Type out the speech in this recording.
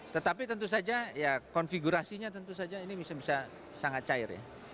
tetapi tentu saja konfigurasinya ini bisa bisa sangat cair